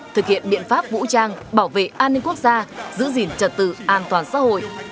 thực hiện biện pháp vũ trang bảo vệ an ninh quốc gia giữ gìn trật tự an toàn xã hội